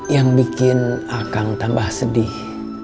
yang bikin akan tambah sedih